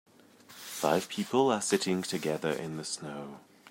Five people are sitting together in the snow.